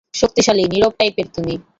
শক্তিশালী, নীরব টাইপের তুমি।